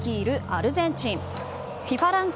アルゼンチン。